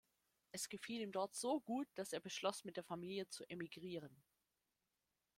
Es gefiel ihm dort so gut, dass er beschloss, mit der Familie zu emigrieren.